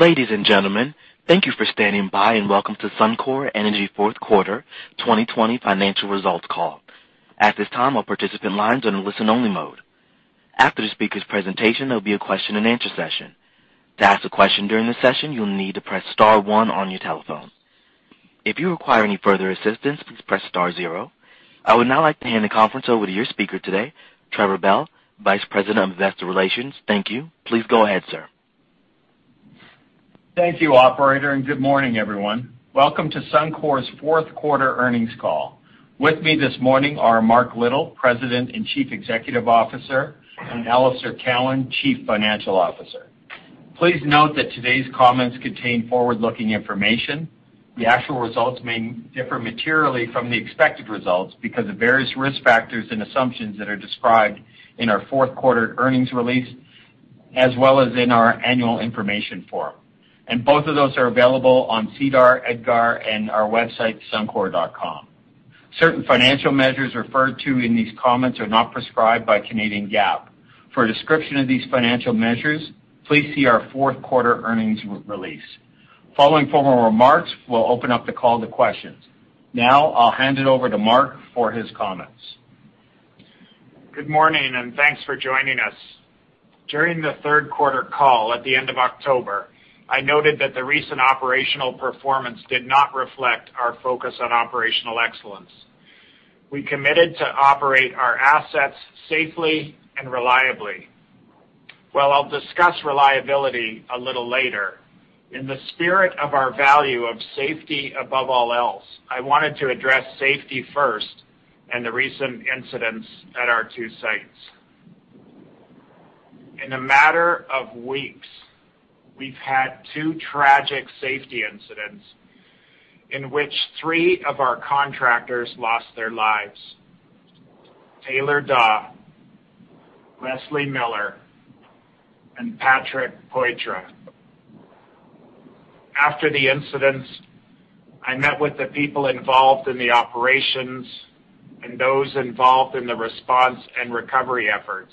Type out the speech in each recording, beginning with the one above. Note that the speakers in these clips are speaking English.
Ladies and gentlemen, thank you for standing by, and welcome to Suncor Energy Fourth Quarter 2020 Financial Results call. At this time, all participant lines are in a listen-only mode. After the speaker's presentation, there'll be a question and answer session. I would now like to hand the conference over to your speaker today, Trevor Bell, Vice President of Investor Relations. Thank you. Please go ahead, sir. Thank you, operator, good morning, everyone. Welcome to Suncor's fourth quarter earnings call. With me this morning are Mark Little, President and Chief Executive Officer, and Alister Cowan, Chief Financial Officer. Please note that today's comments contain forward-looking information. The actual results may differ materially from the expected results because of various risk factors and assumptions that are described in our fourth quarter earnings release, as well as in our annual information form. Both of those are available on SEDAR, EDGAR, and our website, suncor.com. Certain financial measures referred to in these comments are not prescribed by Canadian GAAP. For a description of these financial measures, please see our fourth quarter earnings release. Following formal remarks, we'll open up the call to questions. Now, I'll hand it over to Mark for his comments. Good morning, and thanks for joining us. During the third quarter call at the end of October, I noted that the recent operational performance did not reflect our focus on operational excellence. We committed to operate our assets safely and reliably. Well, I'll discuss reliability a little later. In the spirit of our value of safety above all else, I wanted to address safety first and the recent incidents at our two sites. In a matter of weeks, we've had two tragic safety incidents in which three of our contractors lost their lives, Taylor Dawe, Leslie Miller, and Patrick Poitras. After the incidents, I met with the people involved in the operations and those involved in the response and recovery efforts.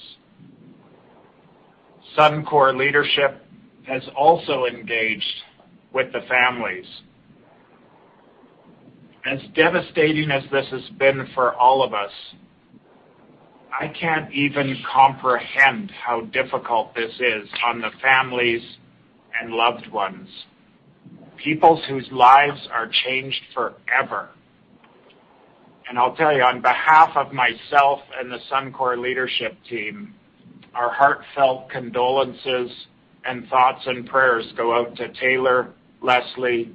Suncor leadership has also engaged with the families. As devastating as this has been for all of us, I can't even comprehend how difficult this is on the families and loved ones, peoples whose lives are changed forever. I'll tell you, on behalf of myself and the Suncor leadership team, our heartfelt condolences and thoughts and prayers go out to Taylor, Leslie,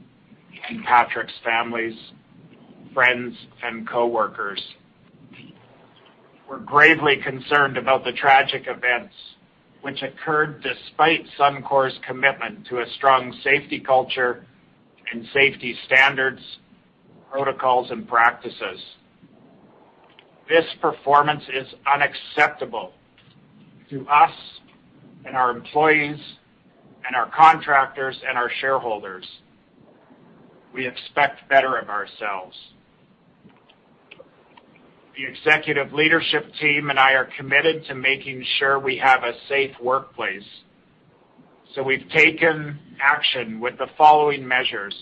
and Patrick's families, friends, and coworkers. We're gravely concerned about the tragic events, which occurred despite Suncor's commitment to a strong safety culture and safety standards, protocols, and practices. This performance is unacceptable to us and our employees and our contractors and our shareholders. We expect better of ourselves. The executive leadership team and I are committed to making sure we have a safe workplace, so we've taken action with the following measures.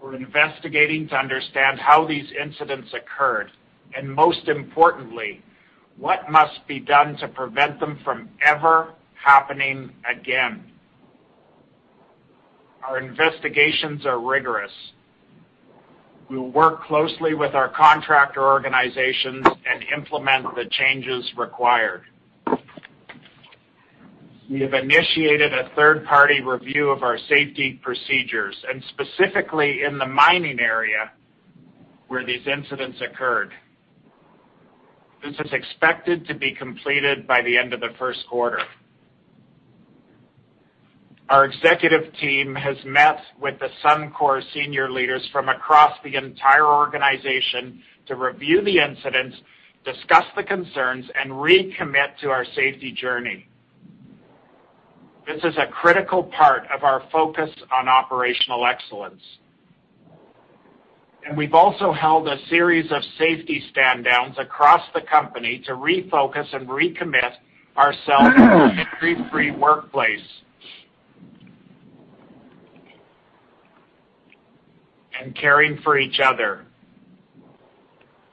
We're investigating to understand how these incidents occurred, and most importantly, what must be done to prevent them from ever happening again. Our investigations are rigorous. We will work closely with our contractor organizations and implement the changes required. We have initiated a third-party review of our safety procedures, and specifically in the mining area where these incidents occurred. This is expected to be completed by the end of the first quarter. Our executive team has met with the Suncor senior leaders from across the entire organization to review the incidents, discuss the concerns, and recommit to our safety journey. This is a critical part of our focus on operational excellence. We've also held a series of safety standdowns across the company to refocus and recommit ourselves to an injury-free workplace and caring for each other.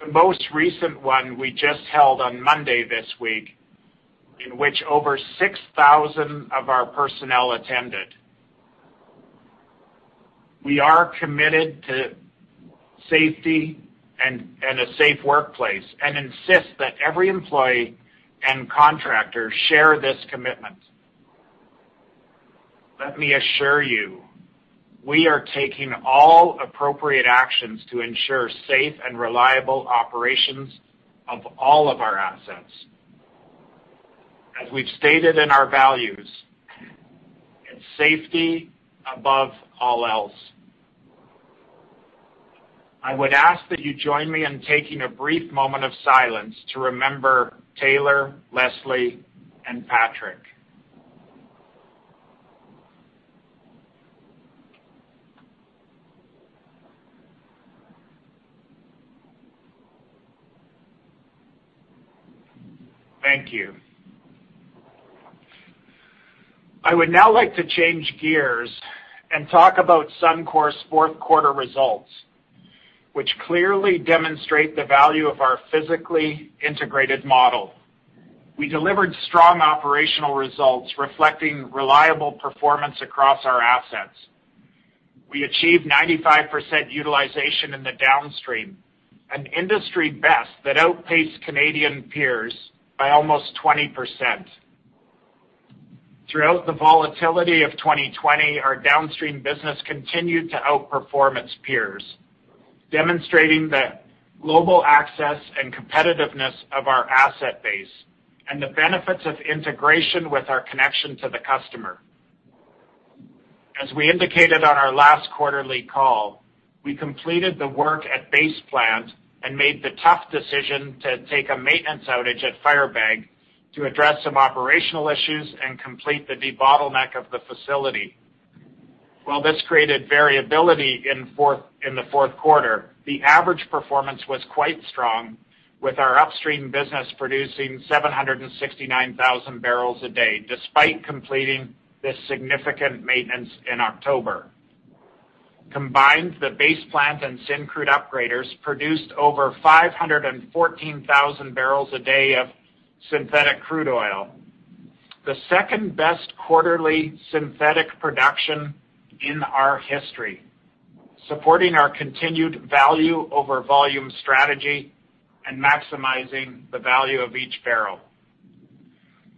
The most recent one we just held on Monday this week, in which over 6,000 of our personnel attended. We are committed to safety and a safe workplace and insist that every employee and contractor share this commitment. Let me assure you, we are taking all appropriate actions to ensure safe and reliable operations of all of our assets. As we've stated in our values, it's safety above all else. I would ask that you join me in taking a brief moment of silence to remember Taylor, Leslie, and Patrick. Thank you. I would now like to change gears and talk about Suncor's fourth quarter results, which clearly demonstrate the value of our physically integrated model. We delivered strong operational results reflecting reliable performance across our assets. We achieved 95% utilization in the downstream, an industry best that outpaced Canadian peers by almost 20%. Throughout the volatility of 2020, our downstream business continued to outperform its peers, demonstrating the global access and competitiveness of our asset base and the benefits of integration with our connection to the customer. As we indicated on our last quarterly call, we completed the work at Base Plant and made the tough decision to take a maintenance outage at Firebag to address some operational issues and complete the debottleneck of the facility. While this created variability in the fourth quarter, the average performance was quite strong, with our upstream business producing 769,000 barrels a day, despite completing this significant maintenance in October. Combined, the Base Plant and Syncrude upgraders produced over 514,000 barrels a day of synthetic crude oil, the second-best quarterly synthetic production in our history, supporting our continued value over volume strategy and maximizing the value of each barrel.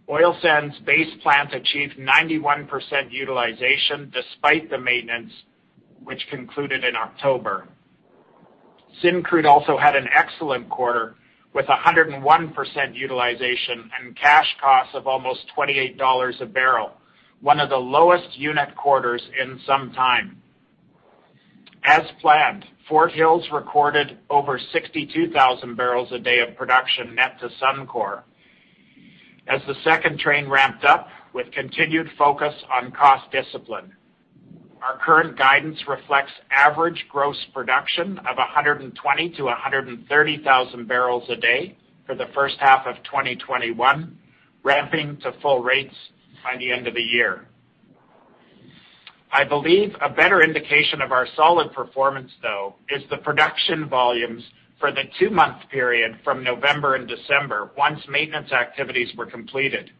Oil Sands Base Plant achieved 91% utilization despite the maintenance which concluded in October. Syncrude also had an excellent quarter, with 101% utilization and cash costs of almost 28 dollars a barrel, one of the lowest unit quarters in some time. As planned, Fort Hills recorded over 62,000 barrels a day of production net to Suncor as the second train ramped up with continued focus on cost discipline. Our current guidance reflects average gross production of 120,000-130,000 barrels a day for the first half of 2021, ramping to full rates by the end of the year. I believe a better indication of our solid performance, though, is the production volumes for the two-month period from November and December once maintenance activities were completed.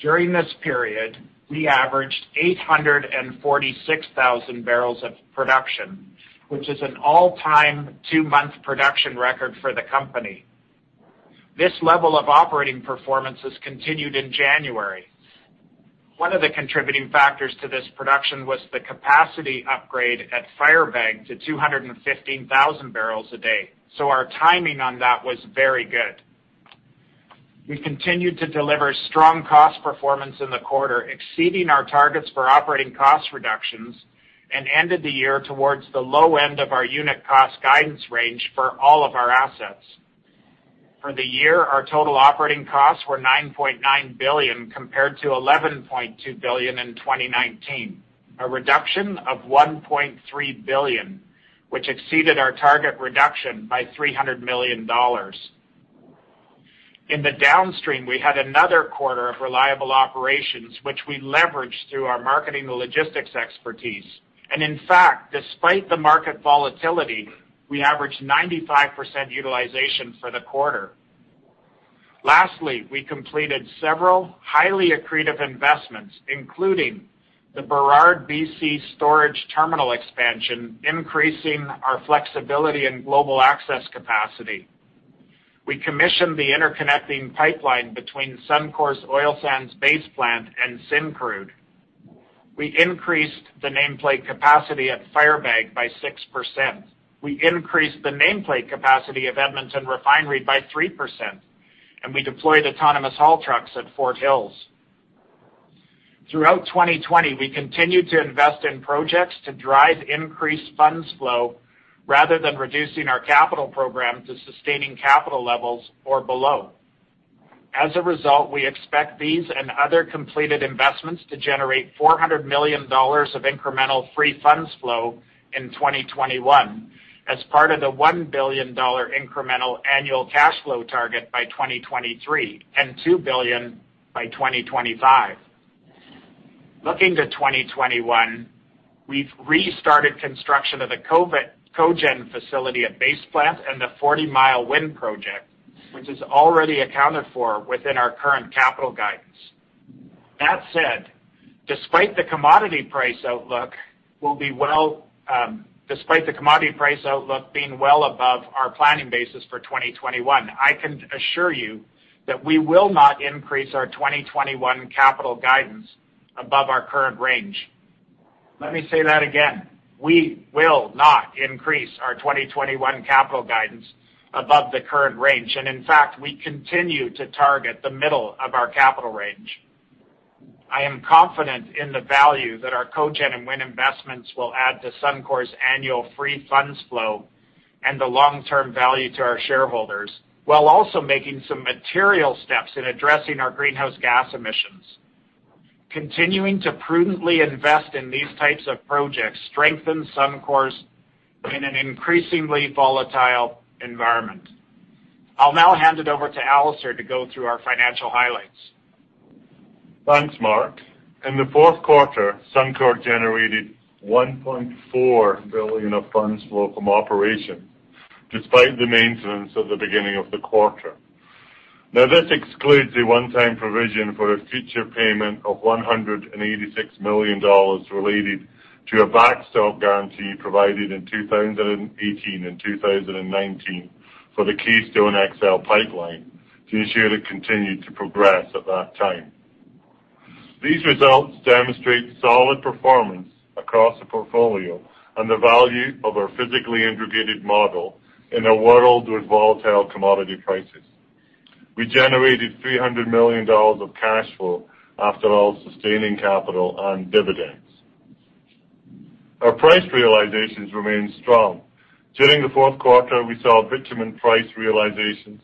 During this period, we averaged 846,000 barrels of production, which is an all-time two-month production record for the company. This level of operating performance has continued in January. One of the contributing factors to this production was the capacity upgrade at Firebag to 215,000 barrels a day. Our timing on that was very good. We continued to deliver strong cost performance in the quarter, exceeding our targets for operating cost reductions and ended the year towards the low end of our unit cost guidance range for all of our assets. For the year, our total operating costs were 9.9 billion, compared to 11.2 billion in 2019, a reduction of 1.3 billion, which exceeded our target reduction by 300 million dollars. In the downstream, we had another quarter of reliable operations, which we leveraged through our marketing and logistics expertise. In fact, despite the market volatility, we averaged 95% utilization for the quarter. Lastly, we completed several highly accretive investments, including the Burrard BC storage terminal expansion, increasing our flexibility and global access capacity. We commissioned the interconnecting pipeline between Suncor's Oil Sands Base Plant and Syncrude. We increased the nameplate capacity at Firebag by 6%. We increased the nameplate capacity of Edmonton Refinery by 3%, and we deployed autonomous haul trucks at Fort Hills. Throughout 2020, we continued to invest in projects to drive increased funds flow rather than reducing our capital program to sustaining capital levels or below. As a result, we expect these and other completed investments to generate 400 million dollars of incremental free funds flow in 2021 as part of the 1 billion dollar incremental annual cash flow target by 2023 and 2 billion by 2025. Looking to 2021, we've restarted construction of the cogen facility at Base Plant and the Forty-Mile wind project, which is already accounted for within our current capital guidance. That said, despite the commodity price outlook being well above our planning basis for 2021, I can assure you that we will not increase our 2021 capital guidance above our current range. Let me say that again. We will not increase our 2021 capital guidance above the current range, and in fact, we continue to target the middle of our capital range. I am confident in the value that our cogen and wind investments will add to Suncor's annual free funds flow and the long-term value to our shareholders while also making some material steps in addressing our greenhouse gas emissions. Continuing to prudently invest in these types of projects strengthens Suncor in an increasingly volatile environment. I'll now hand it over to Alister to go through our financial highlights. Thanks, Mark. In the fourth quarter, Suncor generated 1.4 billion of funds flow from operations, despite the maintenance at the beginning of the quarter. This excludes the one-time provision for a future payment of 186 million dollars related to a backstop guarantee provided in 2018 and 2019 for the Keystone XL Pipeline to ensure that continued to progress at that time. These results demonstrate solid performance across the portfolio and the value of our physically integrated model in a world with volatile commodity prices. We generated 300 million dollars of cash flow after all sustaining capital and dividends. Our price realizations remain strong. During the fourth quarter, we saw bitumen price realizations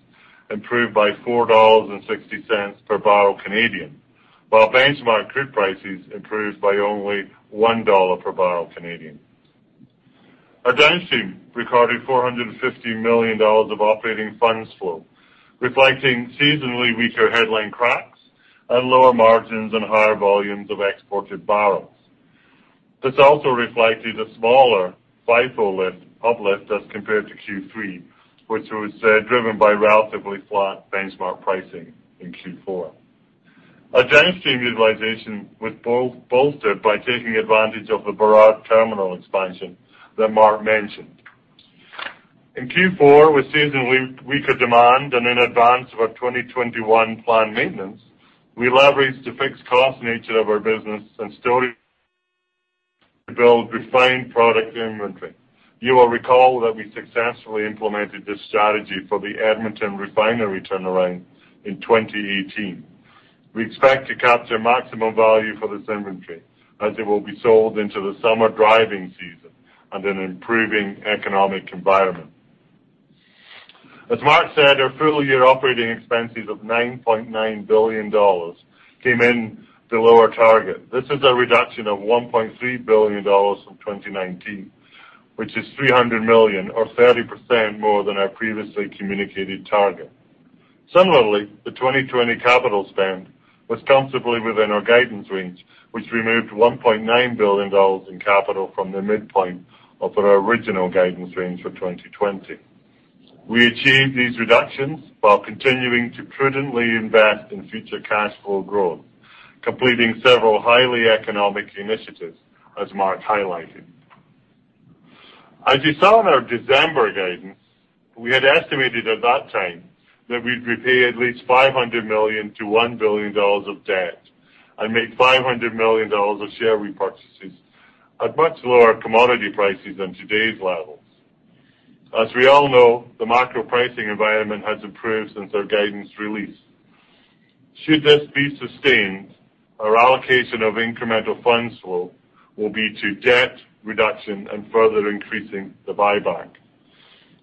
improve by 4.60 dollars per barrel CAD, while benchmark crude prices improved by only 1 dollar per barrel CAD. Our downstream recorded 450 million dollars of operating funds flow, reflecting seasonally weaker headline cracks and lower margins and higher volumes of exported barrels. This also reflected a smaller FIFO uplift as compared to Q3, which was driven by relatively flat benchmark pricing in Q4. Our downstream utilization was bolstered by taking advantage of the Burrard terminal expansion that Mark mentioned. In Q4, with seasonally weaker demand and in advance of our 2021 planned maintenance, we leveraged the fixed cost nature of our business and storage to build refined product inventory. You will recall that we successfully implemented this strategy for the Edmonton refinery turnaround in 2018. We expect to capture maximum value for this inventory as it will be sold into the summer driving season and an improving economic environment. As Mark said, our full-year operating expenses of 9.9 billion dollars came in below our target. This is a reduction of 1.3 billion dollars from 2019, which is 300 million or 30% more than our previously communicated target. Similarly, the 2020 capital spend was comfortably within our guidance range, which removed 1.9 billion dollars in capital from the midpoint of our original guidance range for 2020. We achieved these reductions while continuing to prudently invest in future cash flow growth, completing several highly economic initiatives, as Mark highlighted. As you saw in our December guidance, we had estimated at that time that we'd repay at least 500 million-1 billion dollars of debt and make 500 million dollars of share repurchases at much lower commodity prices than today's levels. As we all know, the macro pricing environment has improved since our guidance release. Should this be sustained, our allocation of incremental funds flow will be to debt reduction and further increasing the buyback.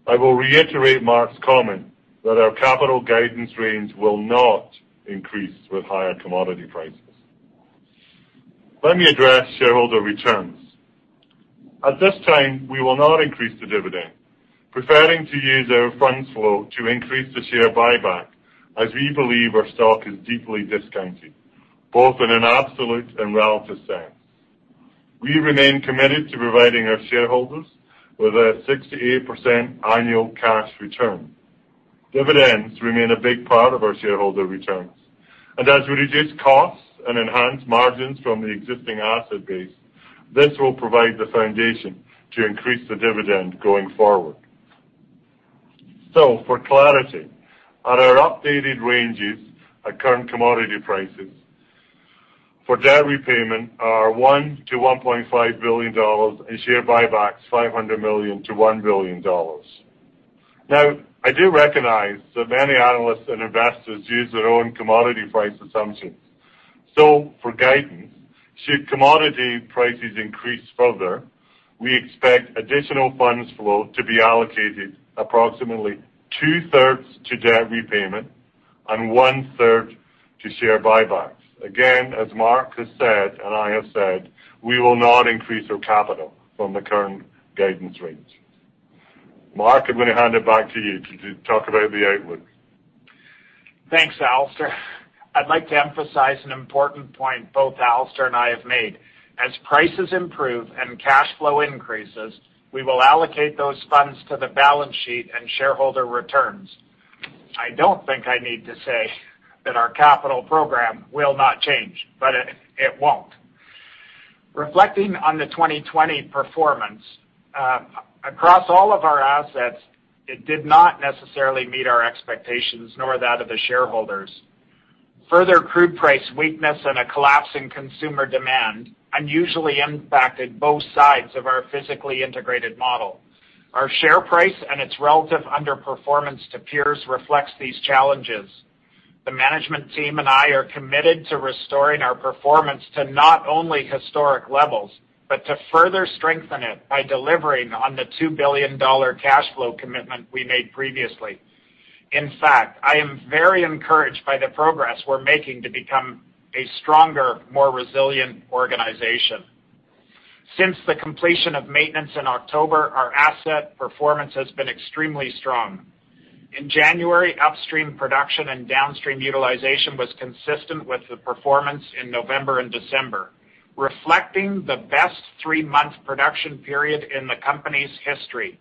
I will reiterate Mark's comment that our capital guidance range will not increase with higher commodity prices. Let me address shareholder returns. At this time, we will not increase the dividend, preferring to use our funds flow to increase the share buyback as we believe our stock is deeply discounted, both in an absolute and relative sense. We remain committed to providing our shareholders with a 6%-8% annual cash return. As we reduce costs and enhance margins from the existing asset base, this will provide the foundation to increase the dividend going forward. For clarity, on our updated ranges at current commodity prices for debt repayment are 1 billion-1.5 billion dollars and share buybacks, 500 million-1 billion dollars. I do recognize that many analysts and investors use their own commodity price assumptions. For guidance, should commodity prices increase further, we expect additional funds flow to be allocated approximately two-thirds to debt repayment and one-third to share buybacks. Again, as Mark has said and I have said, we will not increase our capital from the current guidance range. Mark, I am going to hand it back to you to talk about the outlook. Thanks, Alister. I'd like to emphasize an important point both Alister and I have made. As prices improve and cash flow increases, we will allocate those funds to the balance sheet and shareholder returns. I don't think I need to say that our capital program will not change, it won't. Reflecting on the 2020 performance, across all of our assets, it did not necessarily meet our expectations, nor that of the shareholders. Further crude price weakness and a collapse in consumer demand unusually impacted both sides of our physically integrated model. Our share price and its relative underperformance to peers reflects these challenges. The management team and I are committed to restoring our performance to not only historic levels, but to further strengthen it by delivering on the 2 billion dollar cash flow commitment we made previously. In fact, I am very encouraged by the progress we're making to become a stronger, more resilient organization. Since the completion of maintenance in October, our asset performance has been extremely strong. In January, upstream production and downstream utilization was consistent with the performance in November and December, reflecting the best three-month production period in the company's history.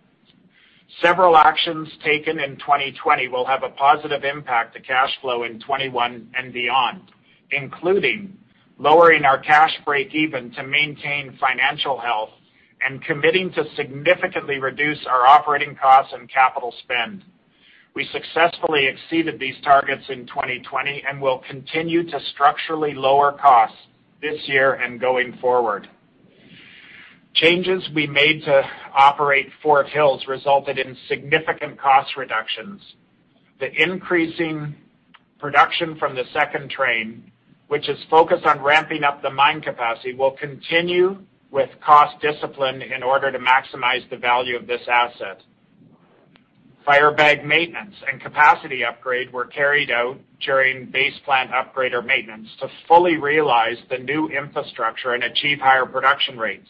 Several actions taken in 2020 will have a positive impact to cash flow in 2021 and beyond, including lowering our cash breakeven to maintain financial health and committing to significantly reduce our operating costs and capital spend. We successfully exceeded these targets in 2020 and will continue to structurally lower costs this year and going forward. Changes we made to operate Fort Hills resulted in significant cost reductions. The increasing production from the second train, which is focused on ramping up the mine capacity, will continue with cost discipline in order to maximize the value of this asset. Firebag maintenance and capacity upgrade were carried out during Base Plant upgrade or maintenance to fully realize the new infrastructure and achieve higher production rates.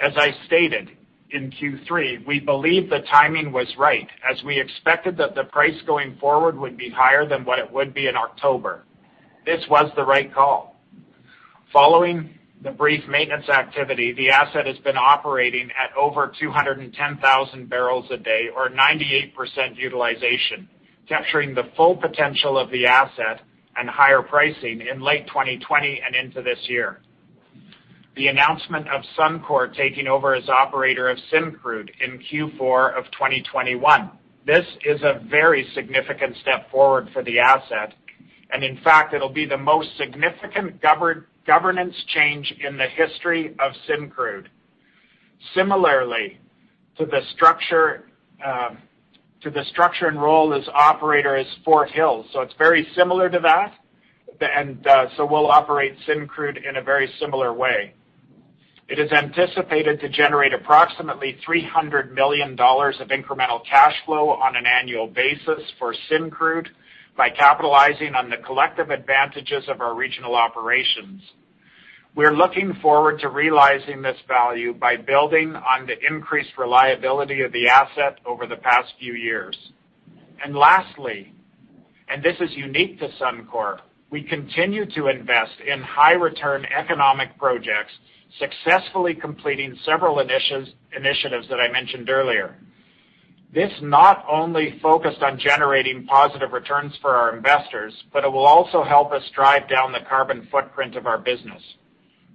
As I stated in Q3, we believe the timing was right, as we expected that the price going forward would be higher than what it would be in October. This was the right call. Following the brief maintenance activity, the asset has been operating at over 210,000 barrels a day or 98% utilization, capturing the full potential of the asset and higher pricing in late 2020 and into this year. The announcement of Suncor taking over as operator of Syncrude in Q4 of 2021. This is a very significant step forward for the asset. In fact, it'll be the most significant governance change in the history of Syncrude. Similarly, to the structure and role as operator as Fort Hills. It's very similar to that. We'll operate Syncrude in a very similar way. It is anticipated to generate approximately 300 million dollars of incremental cash flow on an annual basis for Syncrude by capitalizing on the collective advantages of our regional operations. We're looking forward to realizing this value by building on the increased reliability of the asset over the past few years. Lastly, and this is unique to Suncor, we continue to invest in high-return economic projects, successfully completing several initiatives that I mentioned earlier. This not only focused on generating positive returns for our investors, but it will also help us drive down the carbon footprint of our business.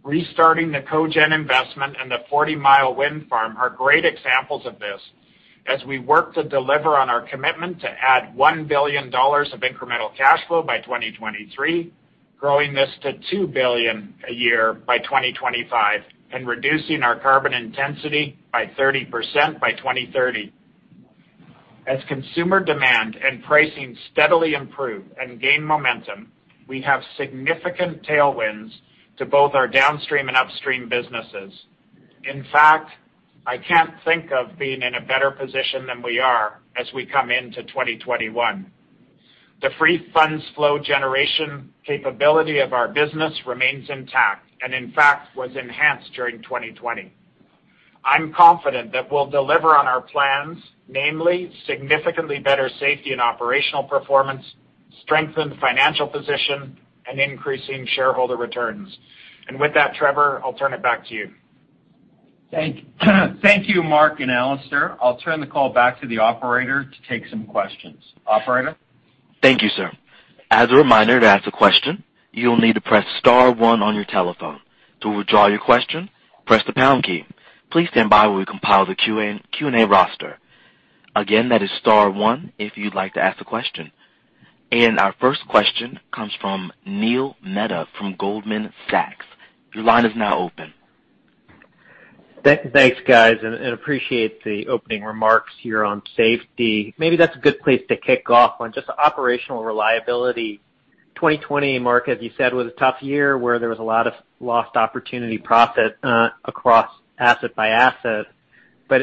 Restarting the cogen investment and the 40-Mile wind farm are great examples of this, as we work to deliver on our commitment to add 1 billion dollars of incremental cash flow by 2023, growing this to 2 billion a year by 2025 and reducing our carbon intensity by 30% by 2030. Consumer demand and pricing steadily improve and gain momentum, we have significant tailwinds to both our downstream and upstream businesses. In fact, I can't think of being in a better position than we are as we come into 2021. The free funds flow generation capability of our business remains intact, and in fact, was enhanced during 2020. I'm confident that we'll deliver on our plans, namely significantly better safety and operational performance, strengthened financial position, and increasing shareholder returns. With that, Trevor, I'll turn it back to you. Thank you, Mark and Alister. I'll turn the call back to the operator to take some questions. Operator? Thank you, sir. As a reminder, to ask a question, you'll need to press star one on your telephone. To withdraw your question, press the pound key. Please stand by while we compile the Q&A roster. Again, that is star one if you'd like to ask a question. Our first question comes from Neil Mehta from Goldman Sachs. Your line is now open. Thanks, guys. Appreciate the opening remarks here on safety. Maybe that's a good place to kick off on just operational reliability. 2020, Mark, as you said, was a tough year where there was a lot of lost opportunity profit across asset by asset.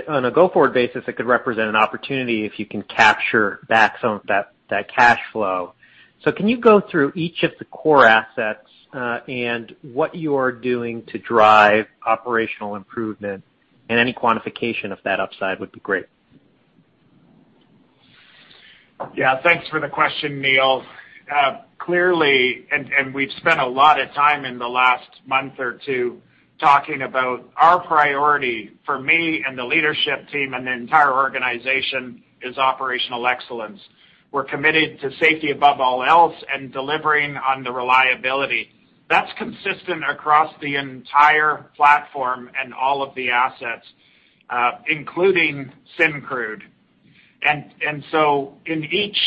On a go-forward basis, it could represent an opportunity if you can capture back some of that cash flow. Can you go through each of the core assets, and what you are doing to drive operational improvement, and any quantification of that upside would be great. Thanks for the question, Neil. Clearly, we've spent a lot of time in the last month or two talking about our priority for me and the leadership team and the entire organization is operational excellence. We're committed to safety above all else and delivering on the reliability. That's consistent across the entire platform and all of the assets, including Syncrude. In each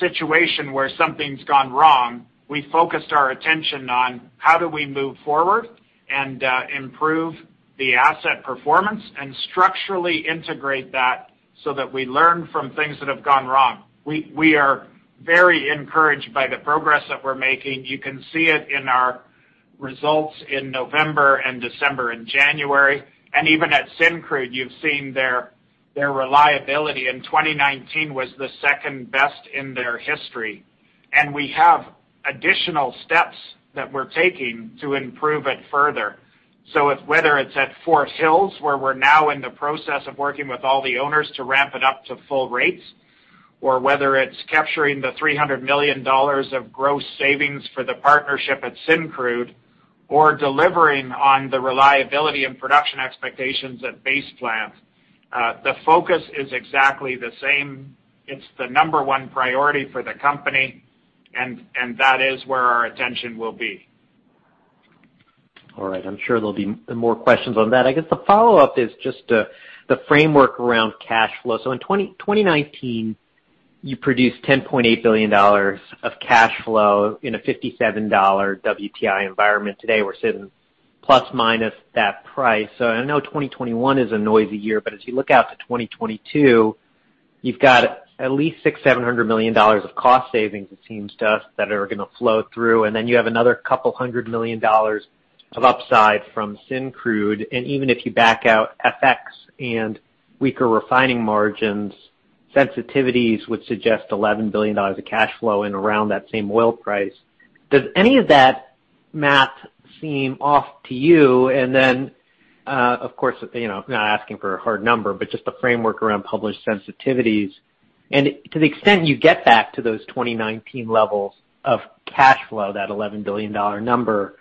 situation where something's gone wrong, we focused our attention on how do we move forward and improve the asset performance and structurally integrate that so that we learn from things that have gone wrong. We are very encouraged by the progress that we're making. You can see it in our results in November and December and January. Even at Syncrude, you've seen their reliability in 2019 was the second-best in their history. We have additional steps that we're taking to improve it further. Whether it's at Fort Hills, where we're now in the process of working with all the owners to ramp it up to full rates, or whether it's capturing the 300 million dollars of gross savings for the partnership at Syncrude, or delivering on the reliability and production expectations at Base Plant, the focus is exactly the same. It's the number one priority for the company, and that is where our attention will be. All right. I'm sure there'll be more questions on that. I guess the follow-up is just the framework around cash flow. In 2019, you produced 10.8 billion dollars of cash flow in a 57 dollar WTI environment. Today, we're sitting plus/minus that price. I know 2021 is a noisy year, but as you look out to 2022, you've got at least 600 million, 700 million dollars of cost savings, it seems to us, that are going to flow through. Then you have another couple of hundred million CAD of upside from Syncrude. Even if you back out FX and weaker refining margins, sensitivities would suggest 11 billion dollars of cash flow and around that same oil price. Does any of that math seem off to you? Then, of course, I'm not asking for a hard number, but just a framework around published sensitivities. To the extent you get back to those 2019 levels of cash flow, that 11 billion dollar number,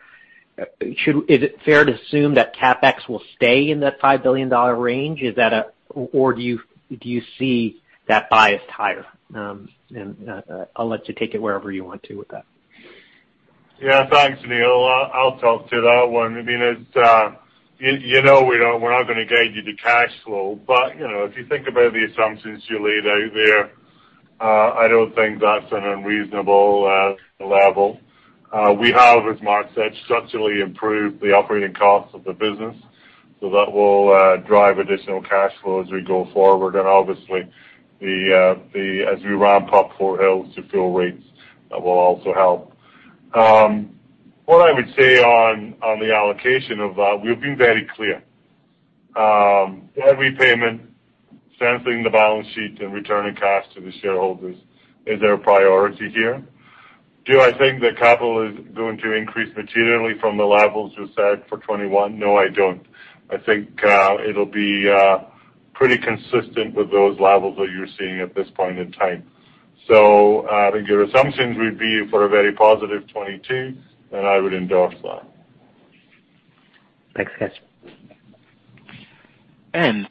is it fair to assume that CapEx will stay in that 5 billion dollar range? Do you see that biased higher? I'll let you take it wherever you want to with that. Yeah. Thanks, Neil. I'll talk to that one. You know we're not going to guide you to cash flow, but if you think about the assumptions you laid out there, I don't think that's an unreasonable level. We have, as Mark said, structurally improved the operating costs of the business. That will drive additional cash flow as we go forward, and obviously, as we ramp up Fort Hills to full rates, that will also help. What I would say on the allocation of that, we've been very clear. Debt repayment, strengthening the balance sheet, and returning costs to the shareholders is our priority here. Do I think the capital is going to increase materially from the levels you said for 2021? No, I don't. I think it'll be pretty consistent with those levels that you're seeing at this point in time. I think your assumptions would be for a very positive 2022, and I would endorse that. Thanks, guys.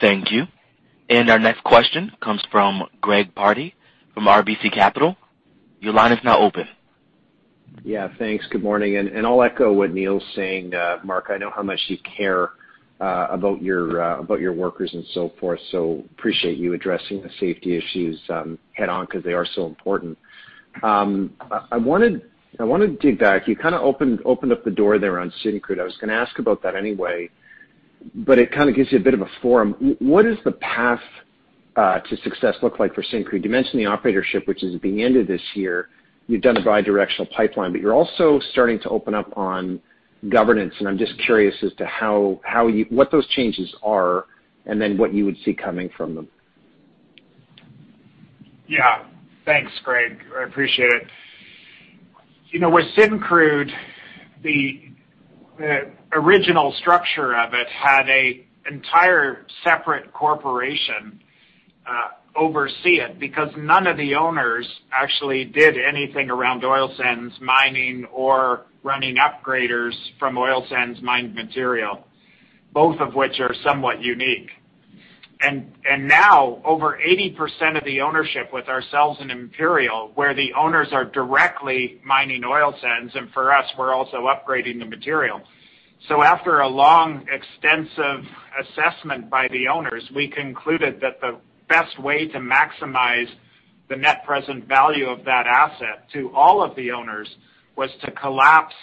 Thank you. Our next question comes from Greg Pardy from RBC Capital. Your line is now open. Yeah. Thanks. Good morning. I'll echo what Neil's saying, Mark. I know how much you care about your workers and so forth, so appreciate you addressing the safety issues head-on because they are so important. I want to dig back. You kind of opened up the door there on Syncrude. I was going to ask about that anyway, it kind of gives you a bit of a forum. What does the path to success look like for Syncrude? You mentioned the operatorship, which is at the end of this year. You've done the bi-directional pipeline, you're also starting to open up on governance, I'm just curious as to what those changes are and then what you would see coming from them. Yeah. Thanks, Greg. I appreciate it. With Syncrude, the original structure of it had an entire separate corporation oversee it because none of the owners actually did anything around oil sands mining or running upgraders from oil sands mined material, both of which are somewhat unique. Now, over 80% of the ownership with ourselves and Imperial, where the owners are directly mining oil sands, and for us, we're also upgrading the material. After a long extensive assessment by the owners, we concluded that the best way to maximize the net present value of that asset to all of the owners was to collapse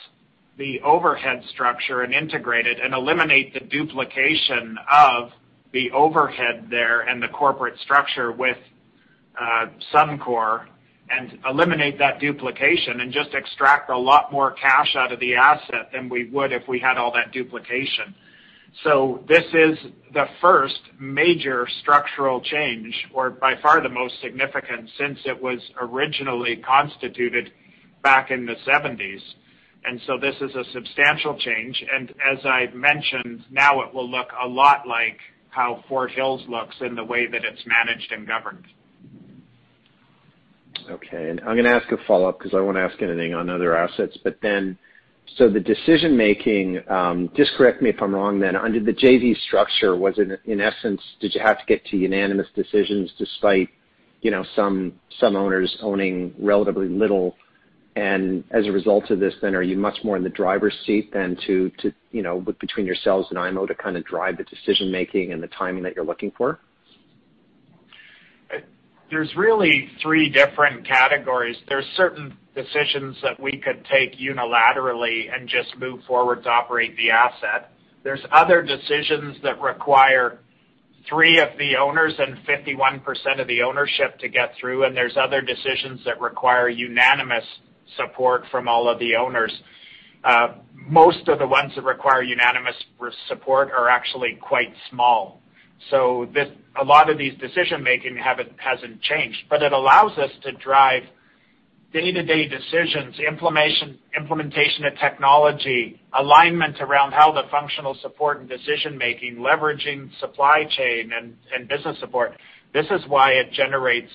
the overhead structure and integrate it and eliminate the duplication of the overhead there and the corporate structure with Suncor and eliminate that duplication and just extract a lot more cash out of the asset than we would if we had all that duplication. This is the first major structural change, or by far the most significant since it was originally constituted back in the '70s. This is a substantial change. As I mentioned, now it will look a lot like how Fort Hills looks in the way that it's managed and governed. Okay. I'm going to ask a follow-up because I want to ask anything on other assets. The decision-making, just correct me if I'm wrong then, under the JV structure, in essence, did you have to get to unanimous decisions despite some owners owning relatively little? As a result of this, are you much more in the driver's seat than between yourselves and IMO to kind of drive the decision-making and the timing that you're looking for? There's really three different categories. There's certain decisions that we could take unilaterally and just move forward to operate the asset. There's other decisions that require three of the owners and 51% of the ownership to get through. There's other decisions that require unanimous support from all of the owners. Most of the ones that require unanimous support are actually quite small. A lot of these decision-making hasn't changed, but it allows us to drive day-to-day decisions, implementation of technology, alignment around how the functional support and decision-making, leveraging supply chain and business support. This is why it generates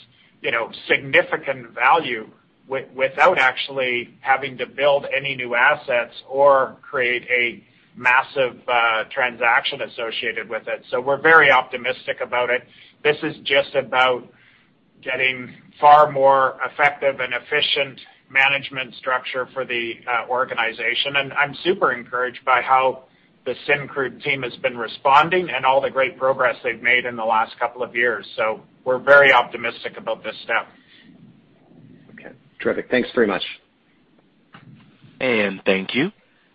significant value without actually having to build any new assets or create a massive transaction associated with it. We're very optimistic about it. This is just about getting far more effective and efficient management structure for the organization. I'm super encouraged by how the Syncrude team has been responding and all the great progress they've made in the last couple of years. We're very optimistic about this step. Okay, terrific. Thanks very much. And thank you.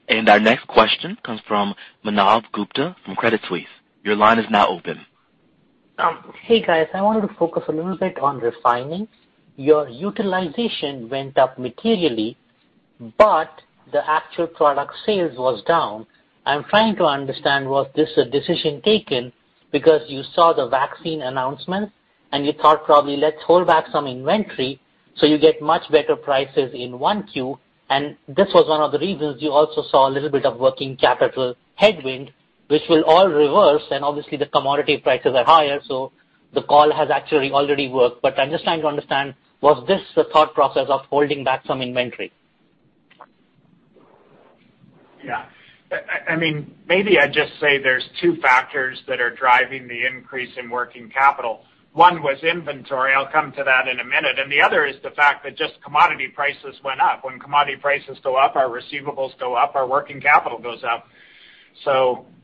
Our next question comes from Manav Gupta from Credit Suisse. Your line is now open. Hey, guys. I wanted to focus a little bit on refining. Your utilization went up materially, but the actual product sales was down. I'm trying to understand, was this a decision taken because you saw the vaccine announcement and you thought probably, let's hold back some inventory so you get much better prices in 1Q, and this was one of the reasons you also saw a little bit of working capital headwind, which will all reverse, and obviously the commodity prices are higher, so the call has actually already worked. I'm just trying to understand, was this the thought process of holding back some inventory? Yeah. Maybe I'd just say there's two factors that are driving the increase in working capital. One was inventory, I'll come to that in a minute, and the other is the fact that just commodity prices went up. When commodity prices go up, our receivables go up, our working capital goes up.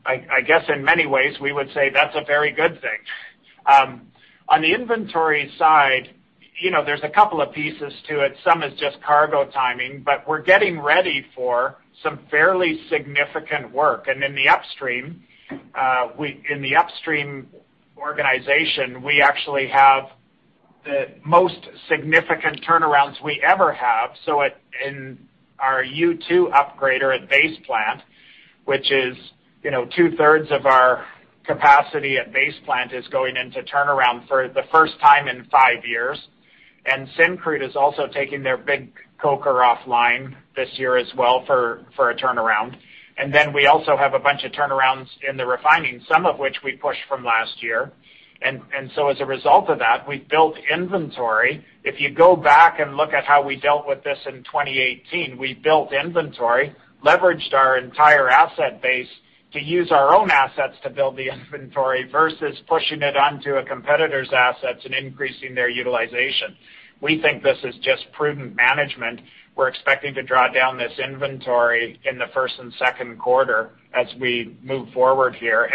I guess in many ways, we would say that's a very good thing. On the inventory side, there's a couple of pieces to it. Some is just cargo timing, but we're getting ready for some fairly significant work. In the upstream organization, we actually have the most significant turnarounds we ever have. In our U2 upgrader at Base Plant, which is two-thirds of our capacity at Base Plant is going into turnaround for the first time in five years. Syncrude is also taking their big coker offline this year as well for a turnaround. We also have a bunch of turnarounds in the refining, some of which we pushed from last year. As a result of that, we've built inventory. If you go back and look at how we dealt with this in 2018, we built inventory, leveraged our entire asset base to use our own assets to build the inventory versus pushing it onto a competitor's assets and increasing their utilization. We think this is just prudent management. We're expecting to draw down this inventory in the first and second quarter as we move forward here.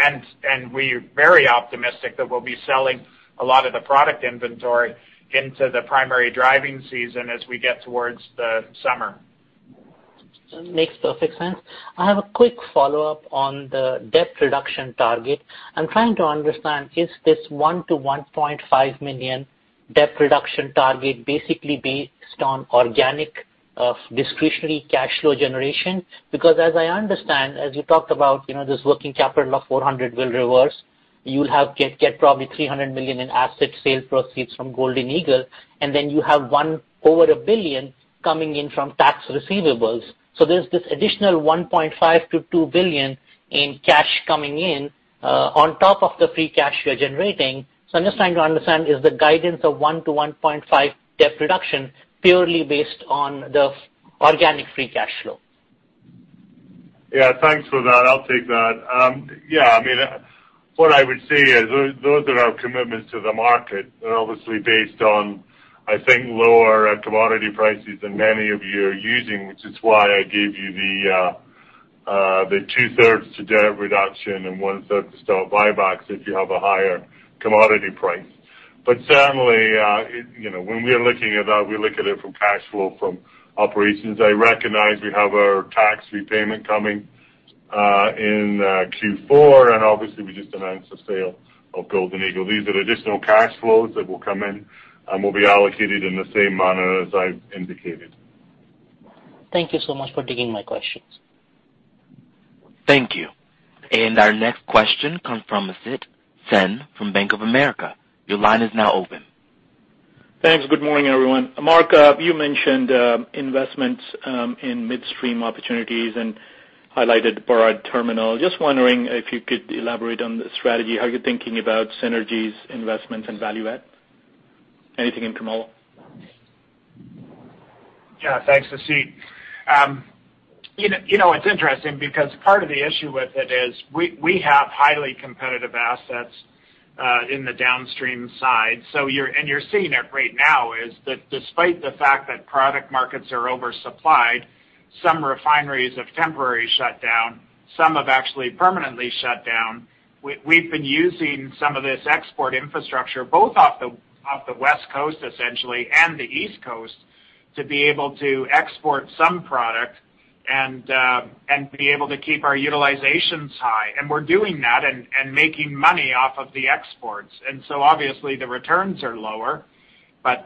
We're very optimistic that we'll be selling a lot of the product inventory into the primary driving season as we get towards the summer. Makes perfect sense. I have a quick follow-up on the debt reduction target. I'm trying to understand, is this 1 million-1.5 million debt reduction target basically based on organic discretionary cash flow generation? As I understand, as you talked about this working capital of 400 million will reverse. You'll get probably 300 million in asset sale proceeds from Golden Eagle, you have over 1 billion coming in from tax receivables. There's this additional 1.5 billion-2 billion in cash coming in on top of the free cash you're generating. I'm just trying to understand, is the guidance of 1-1.5 debt reduction purely based on the organic free cash flow? Yeah. Thanks for that. I'll take that. What I would say is those are our commitments to the market, obviously based on, I think, lower commodity prices than many of you are using, which is why I gave you the two-thirds to debt reduction and one-third to stock buybacks if you have a higher commodity price. Certainly, when we are looking at that, we look at it from cash flow from operations. I recognize we have our tax repayment coming in Q4, and obviously we just announced the sale of Golden Eagle. These are additional cash flows that will come in and will be allocated in the same manner as I've indicated. Thank you so much for taking my questions. Thank you. Our next question comes from Asit Sen from Bank of America. Your line is now open. Thanks. Good morning, everyone. Mark, you mentioned investments in midstream opportunities and highlighted Burrard Terminal. Just wondering if you could elaborate on the strategy. How are you thinking about synergies, investments, and value add? Anything in Kamloops? Yeah. Thanks, Asit. It's interesting because part of the issue with it is we have highly competitive assets in the downstream side. You're seeing it right now, is that despite the fact that product markets are oversupplied, some refineries have temporarily shut down, some have actually permanently shut down. We've been using some of this export infrastructure, both off the West Coast, essentially, and the East Coast, to be able to export some product. Be able to keep our utilizations high. We're doing that and making money off of the exports. Obviously the returns are lower, but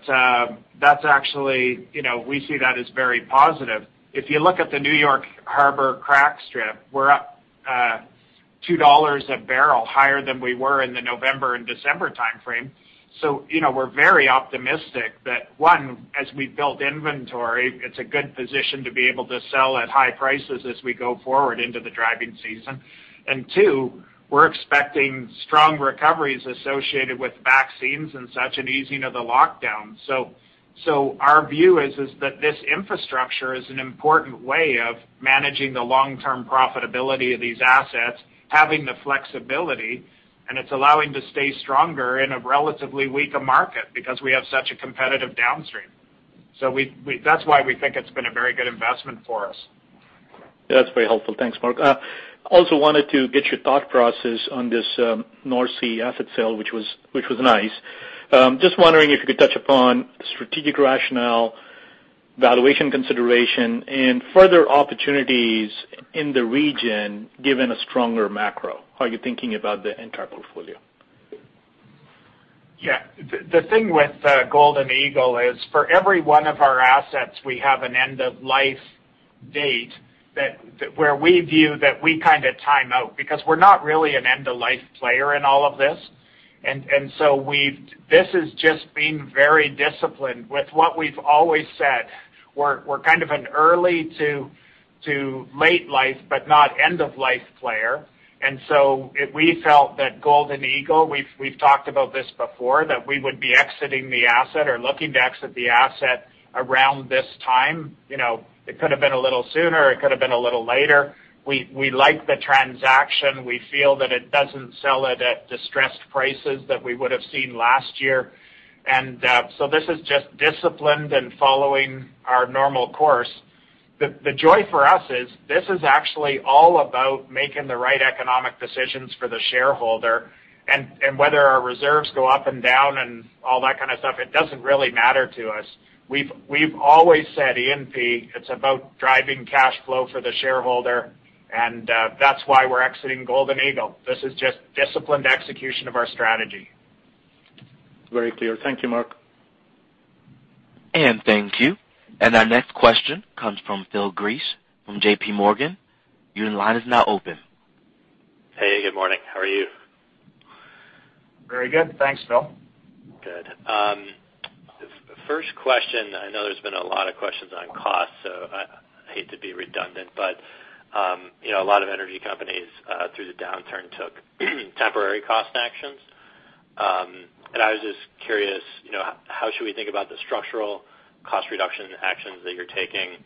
we see that as very positive. If you look at the New York Harbor crack strip, we're up 2 dollars a barrel higher than we were in the November and December timeframe. We're very optimistic that, one, as we build inventory, it's a good position to be able to sell at high prices as we go forward into the driving season. Two, we're expecting strong recoveries associated with vaccines and such an easing of the lockdown. Our view is that this infrastructure is an important way of managing the long-term profitability of these assets, having the flexibility, and it's allowing to stay stronger in a relatively weaker market because we have such a competitive downstream. That's why we think it's been a very good investment for us. That's very helpful. Thanks, Mark. Also wanted to get your thought process on this North Sea asset sale, which was nice. Just wondering if you could touch upon strategic rationale, valuation consideration, and further opportunities in the region, given a stronger macro. How are you thinking about the entire portfolio? Yeah. The thing with Golden Eagle is, for every one of our assets, we have an end-of-life date where we view that we time out, because we're not really an end-of-life player in all of this. This is just being very disciplined with what we've always said. We're kind of an early to late life, but not end-of-life player. We felt that Golden Eagle, we've talked about this before, that we would be exiting the asset or looking to exit the asset around this time. It could have been a little sooner, it could have been a little later. We like the transaction. We feel that it doesn't sell it at distressed prices that we would have seen last year. This is just disciplined and following our normal course. The joy for us is, this is actually all about making the right economic decisions for the shareholder, and whether our reserves go up and down and all that kind of stuff, it doesn't really matter to us. We've always said, E&P, it's about driving cash flow for the shareholder, and that's why we're exiting Golden Eagle. This is just disciplined execution of our strategy. Very clear. Thank you, Mark. Thank you. Our next question comes from Phil Gresh from JPMorgan. Your line is now open. Hey, good morning. How are you? Very good. Thanks, Phil. Good. First question, I know there's been a lot of questions on cost, so I hate to be redundant, but a lot of energy companies, through the downturn, took temporary cost actions. I was just curious, how should we think about the structural cost reduction actions that you're taking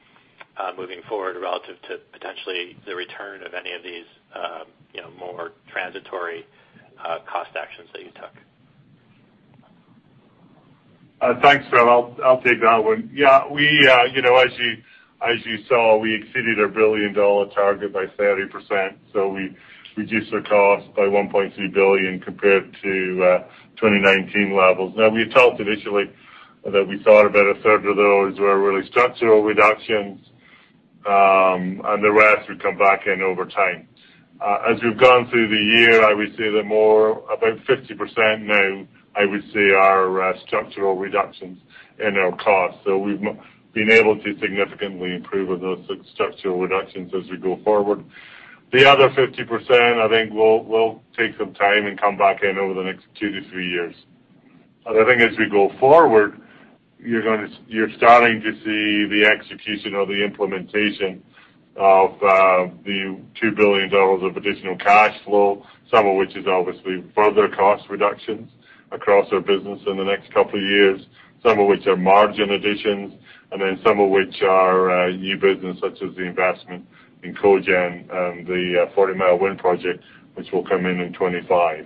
moving forward relative to potentially the return of any of these more transitory cost actions that you took? Thanks, Phil. I'll take that one. As you saw, we exceeded our billion-dollar target by 30%, so we reduced our cost by 1.3 billion compared to 2019 levels. Now, we had talked initially that we thought about a third of those were really structural reductions, and the rest would come back in over time. As we've gone through the year, I would say about 50% now, I would say, are structural reductions in our costs. We've been able to significantly improve on those structural reductions as we go forward. The other 50%, I think will take some time and come back in over the next two to three years. I think as we go forward, you're starting to see the execution or the implementation of the 2 billion dollars of additional cash flow, some of which is obviously further cost reductions across our business in the next couple of years, some of which are margin additions, and then some of which are new business, such as the investment in cogen and the Forty Mile Wind Power Project, which will come in in 2025.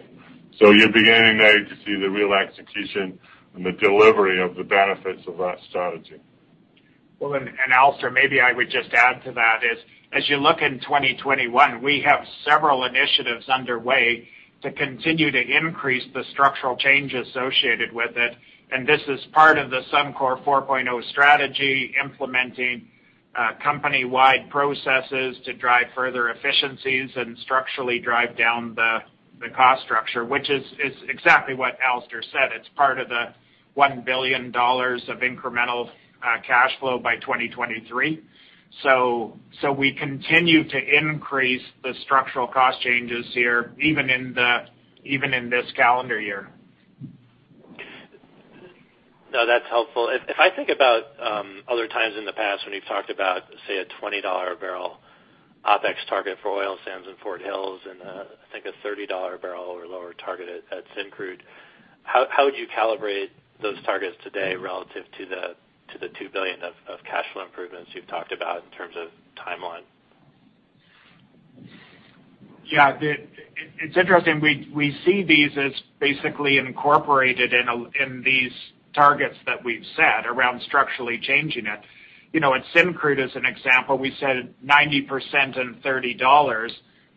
You're beginning now to see the real execution and the delivery of the benefits of that strategy. Well, Alastair, maybe I would just add to that is, as you look in 2021, we have several initiatives underway to continue to increase the structural change associated with it. This is part of the Suncor 4.0 strategy, implementing company-wide processes to drive further efficiencies and structurally drive down the cost structure, which is exactly what Alastair said. It's part of the 1 billion dollars of incremental cash flow by 2023. We continue to increase the structural cost changes here, even in this calendar year. No, that's helpful. If I think about other times in the past when you've talked about, say, a CAD 20 a barrel OpEx target for oil sands in Fort Hills, and I think a CAD 30 a barrel or lower target at Syncrude, how would you calibrate those targets today relative to the 2 billion of cash flow improvements you've talked about in terms of timeline? Yeah. It's interesting, we see these as basically incorporated in these targets that we've set around structurally changing it. At Syncrude, as an example, we said 90% and 30 dollars.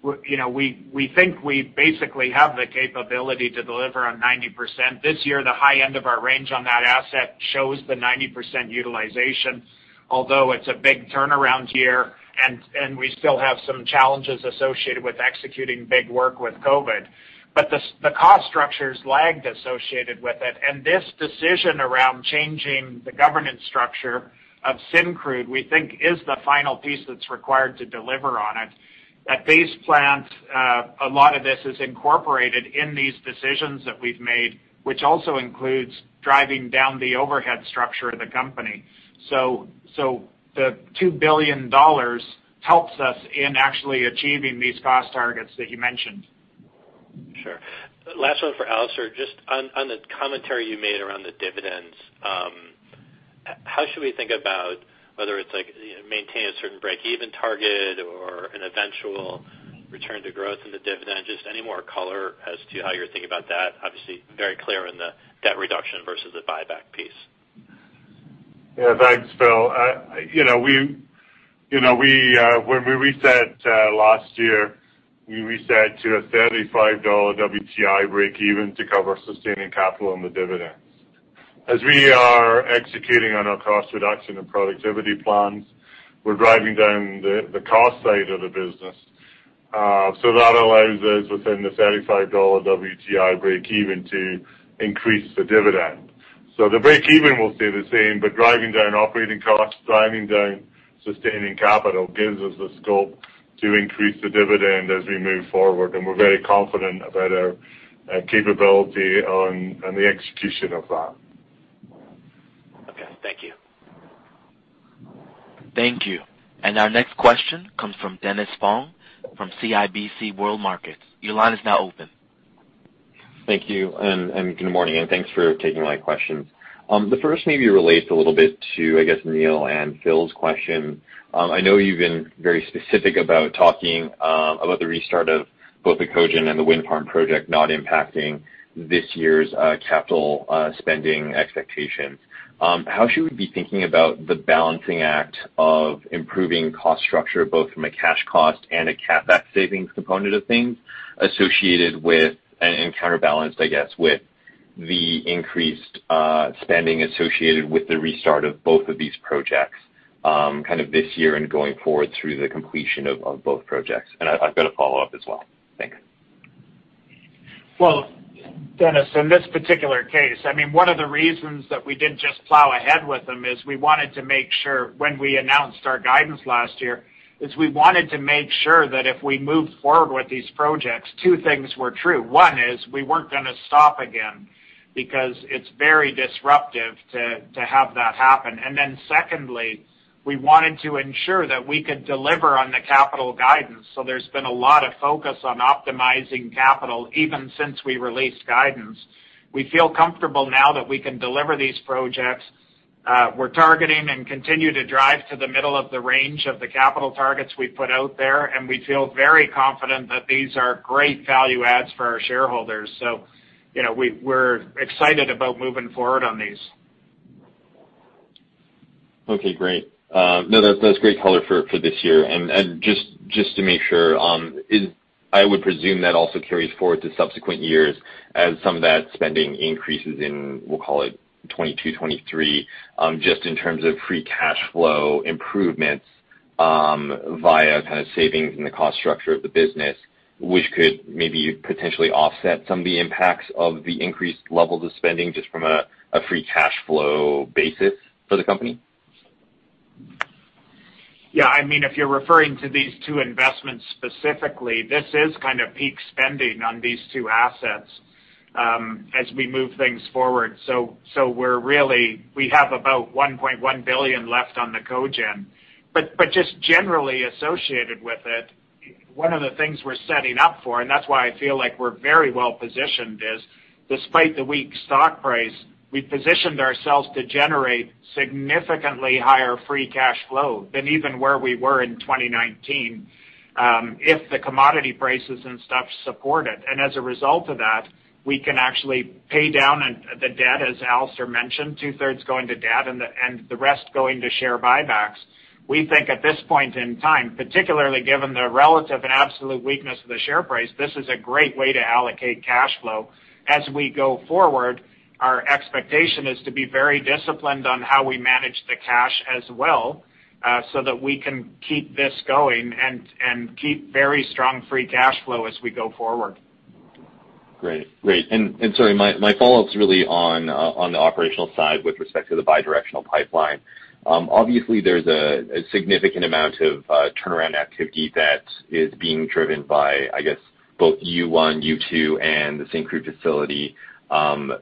We think we basically have the capability to deliver on 90%. This year, the high end of our range on that asset shows the 90% utilization, although it's a big turnaround year and we still have some challenges associated with executing big work with COVID. The cost structures lagged associated with it, and this decision around changing the governance structure of Syncrude, we think is the final piece that's required to deliver on it. At base plant, a lot of this is incorporated in these decisions that we've made, which also includes driving down the overhead structure of the company. The 2 billion dollars helps us in actually achieving these cost targets that you mentioned. Sure. Last one for Alastair. Just on the commentary you made around the dividends, how should we think about whether it's maintain a certain breakeven target or an eventual return to growth in the dividend? Just any more color as to how you're thinking about that. Obviously, very clear in the debt reduction versus the buyback piece. Yeah. Thanks, Phil. When we reset last year, we reset to a 35 dollar WTI breakeven to cover sustaining capital and the dividends. We are executing on our cost reduction and productivity plans, we're driving down the cost side of the business. That allows us within the 35 dollar WTI breakeven to increase the dividend. The breakeven will stay the same, driving down operating costs, driving down sustaining capital gives us the scope to increase the dividend as we move forward. We're very confident about our capability and the execution of that. Okay. Thank you. Thank you. Our next question comes from Dennis Fong from CIBC World Markets. Your line is now open. Thank you. Good morning, and thanks for taking my questions. The first maybe relates a little bit to, I guess, Neil and Phil's question. I know you've been very specific about talking about the restart of both the cogen and the wind farm project not impacting this year's capital spending expectations. How should we be thinking about the balancing act of improving cost structure, both from a cash cost and a CapEx savings component of things associated with and counterbalanced, I guess, with the increased spending associated with the restart of both of these projects kind of this year and going forward through the completion of both projects? I've got a follow-up as well. Thanks. Well, Dennis, in this particular case, one of the reasons that we didn't just plow ahead with them is we wanted to make sure when we announced our guidance last year, is we wanted to make sure that if we moved forward with these projects, two things were true. One is we weren't going to stop again because it's very disruptive to have that happen. Secondly, we wanted to ensure that we could deliver on the capital guidance. There's been a lot of focus on optimizing capital even since we released guidance. We feel comfortable now that we can deliver these projects. We're targeting and continue to drive to the middle of the range of the capital targets we put out there, and we feel very confident that these are great value adds for our shareholders. We're excited about moving forward on these. Okay. Great. No, that's great color for this year. Just to make sure, I would presume that also carries forward to subsequent years as some of that spending increases in, we'll call it 2022, 2023, just in terms of free cash flow improvements via kind of savings in the cost structure of the business, which could maybe potentially offset some of the impacts of the increased levels of spending just from a free cash flow basis for the company? Yeah, if you're referring to these two investments specifically, this is kind of peak spending on these two assets as we move things forward. We have about 1.1 billion left on the cogen. Just generally associated with it, one of the things we're setting up for, and that's why I feel like we're very well positioned is, despite the weak stock price, we positioned ourselves to generate significantly higher free cash flow than even where we were in 2019, if the commodity prices and stuff support it. As a result of that, we can actually pay down the debt, as Alister mentioned, two-thirds going to debt and the rest going to share buybacks. We think at this point in time, particularly given the relative and absolute weakness of the share price, this is a great way to allocate cash flow. As we go forward, our expectation is to be very disciplined on how we manage the cash as well, so that we can keep this going and keep very strong free cash flow as we go forward. Great. Sorry, my follow-up's really on the operational side with respect to the bi-directional pipeline. Obviously, there's a significant amount of turnaround activity that is being driven by, I guess, both U1, U2, and the Syncrude facility in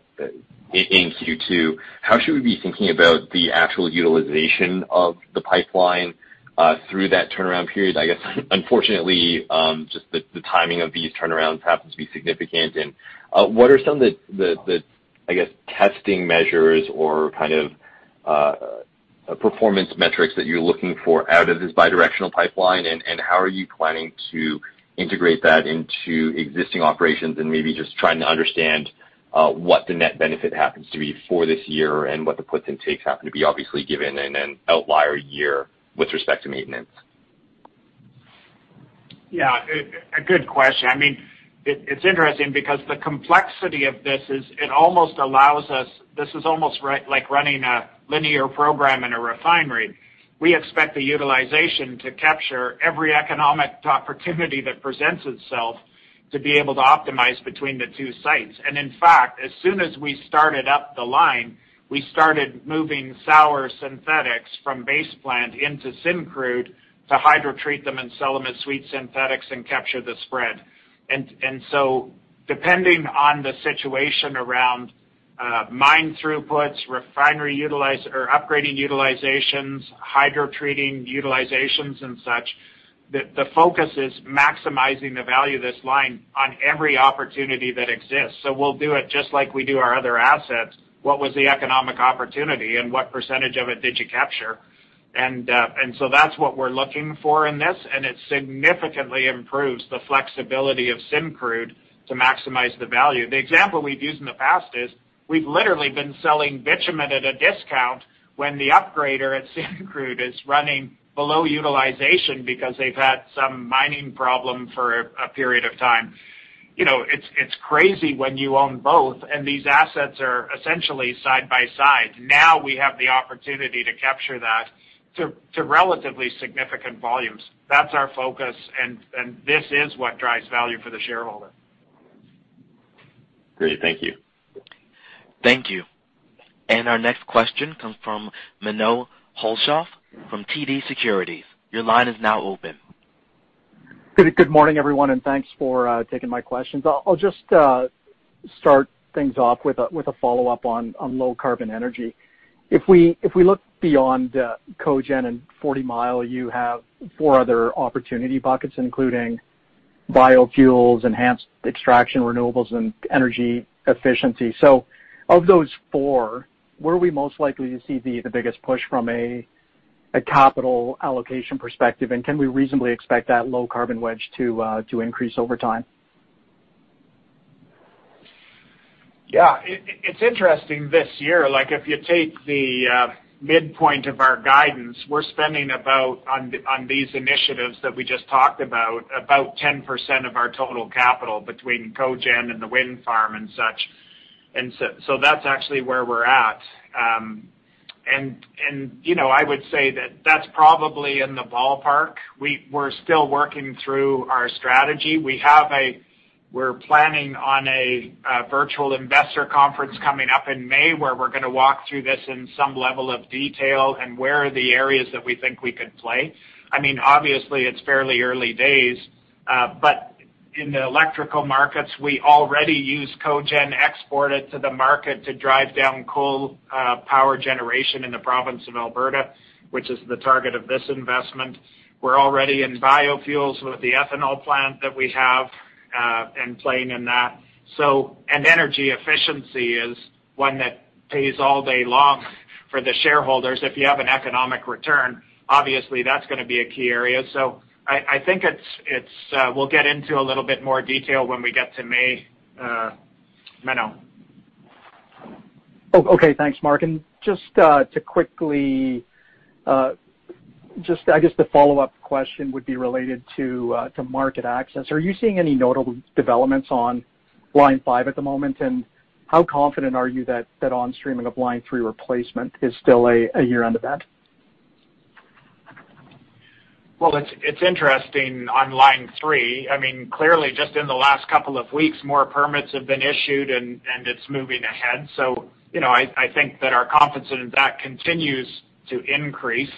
Q2. How should we be thinking about the actual utilization of the pipeline through that turnaround period? I guess, unfortunately, just the timing of these turnarounds happens to be significant. What are some of the, I guess, testing measures or kind of performance metrics that you're looking for out of this bi-directional pipeline and how are you planning to integrate that into existing operations? Maybe just trying to understand what the net benefit happens to be for this year and what the puts and takes happen to be, obviously given in an outlier year with respect to maintenance. Yeah. A good question. It's interesting because the complexity of this is almost like running a linear program in a refinery. We expect the utilization to capture every economic opportunity that presents itself to be able to optimize between the two sites. In fact, as soon as we started up the line, we started moving sour synthetics from base plant into Syncrude to hydrotreat them and sell them as sweet synthetics and capture the spread. Depending on the situation around mine throughputs, refinery upgrading utilizations, hydrotreating utilizations and such, the focus is maximizing the value of this line on every opportunity that exists. We'll do it just like we do our other assets. What was the economic opportunity and what % of it did you capture? That's what we're looking for in this, and it significantly improves the flexibility of Syncrude to maximize the value. The example we've used in the past is we've literally been selling bitumen at a discount when the upgrader at Syncrude is running below utilization because they've had some mining problem for a period of time. It's crazy when you own both, and these assets are essentially side by side. Now we have the opportunity to capture that to relatively significant volumes. That's our focus, and this is what drives value for the shareholder. Great. Thank you. Thank you. Our next question comes from Menno Hulshof from TD Securities. Good morning, everyone, and thanks for taking my questions. I'll just start things off with a follow-up on low carbon energy. If we look beyond the cogen and Forty Mile, you have four other opportunity buckets, including biofuels, enhanced extraction renewables, and energy efficiency. Of those four, where are we most likely to see the biggest push from a capital allocation perspective, and can we reasonably expect that low carbon wedge to increase over time? Yeah. It's interesting this year. If you take the midpoint of our guidance, we're spending, on these initiatives that we just talked about 10% of our total capital between cogen and the wind farm and such. That's actually where we're at. I would say that that's probably in the ballpark. We're still working through our strategy. We're planning on a virtual investor conference coming up in May where we're going to walk through this in some level of detail and where are the areas that we think we could play. Obviously, it's fairly early days, but in the electrical markets, we already use cogen, export it to the market to drive down coal power generation in the province of Alberta, which is the target of this investment. We're already in biofuels with the ethanol plant that we have and playing in that. Energy efficiency is one that pays all day long for the shareholders. If you have an economic return, obviously, that's going to be a key area. I think we'll get into a little bit more detail when we get to May, Menno. Okay. Thanks, Mark. I guess the follow-up question would be related to market access. Are you seeing any notable developments on Line 5 at the moment? How confident are you that on-streaming of Line 3 replacement is still a year-end event? It's interesting on Line 3. Clearly, just in the last couple of weeks, more permits have been issued, and it's moving ahead. I think that our confidence in that continues to increase,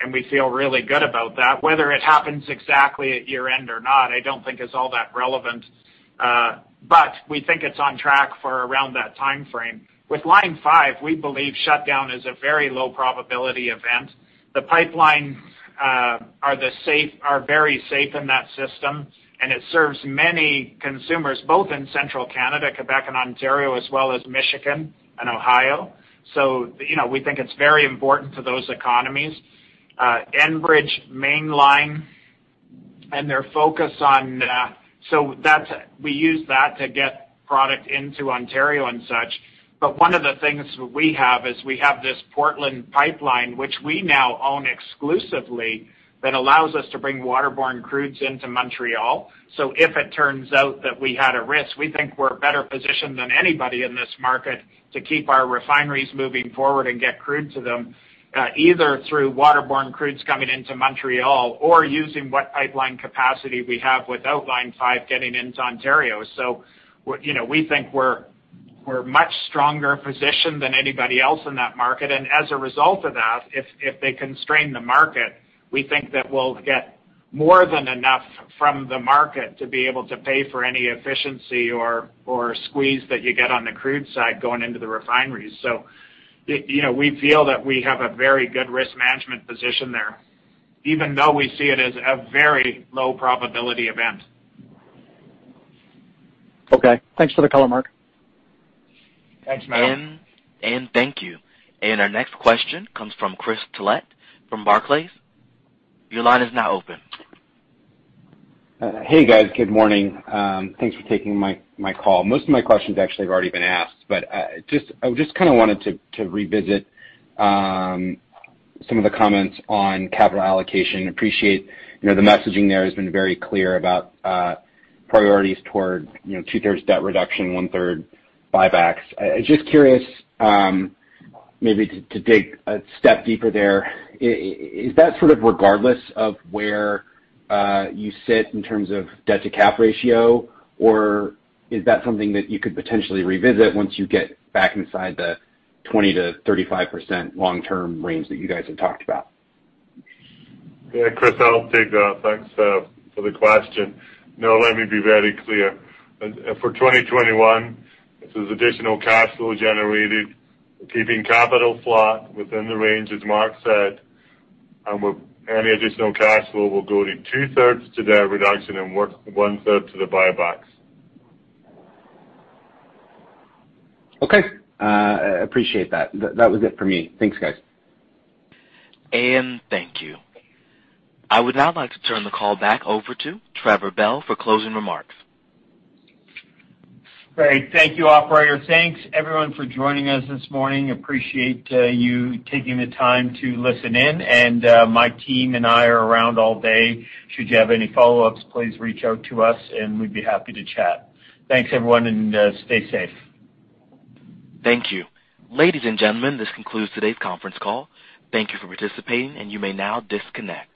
and we feel really good about that. Whether it happens exactly at year-end or not, I don't think is all that relevant. We think it's on track for around that timeframe. With Line 5, we believe shutdown is a very low probability event. The pipelines are very safe in that system, and it serves many consumers, both in central Canada, Quebec, and Ontario, as well as Michigan and Ohio. We think it's very important to those economies. Enbridge Mainline. We use that to get product into Ontario and such. One of the things that we have is we have this Portland Pipe Line, which we now own exclusively, that allows us to bring waterborne crudes into Montreal. If it turns out that we had a risk, we think we're better positioned than anybody in this market to keep our refineries moving forward and get crude to them, either through waterborne crudes coming into Montreal or using what pipeline capacity we have without Line 5 getting into Ontario. We think we're much stronger positioned than anybody else in that market. As a result of that, if they constrain the market, we think that we'll get more than enough from the market to be able to pay for any efficiency or squeeze that you get on the crude side going into the refineries. We feel that we have a very good risk management position there, even though we see it as a very low probability event. Okay. Thanks for the color, Mark. Thanks, Menno. Thank you. Our next question comes from Chris Tillett from Barclays. Your line is now open. Hey, guys. Good morning. Thanks for taking my call. Most of my questions actually have already been asked, I just wanted to revisit some of the comments on capital allocation. Appreciate the messaging there has been very clear about priorities toward two-thirds debt reduction, one-third buybacks. Just curious, maybe to dig a step deeper there, is that sort of regardless of where you sit in terms of debt to cap ratio, or is that something that you could potentially revisit once you get back inside the 20%-35% long-term range that you guys have talked about? Yeah, Chris, I'll take that. Thanks for the question. Let me be very clear. For 2021, if there's additional cash flow generated, we're keeping capital flat within the range, as Mark said, and any additional cash flow will go to two-thirds to debt reduction and one-third to the buybacks. Okay. Appreciate that. That was it for me. Thanks, guys. Thank you. I would now like to turn the call back over to Trevor Bell for closing remarks. Great. Thank you, operator. Thanks everyone for joining us this morning. Appreciate you taking the time to listen in. My team and I are around all day. Should you have any follow-ups, please reach out to us and we'd be happy to chat. Thanks everyone, and stay safe. Thank you. Ladies and gentlemen, this concludes today's conference call. Thank you for participating, and you may now disconnect.